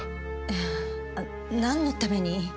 ええ何のために？